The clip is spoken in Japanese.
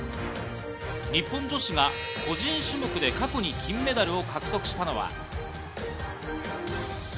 日本女子が個人種目で過去に金メダルを獲得したのは。